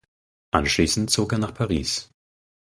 Anschließend zog er nach Paris.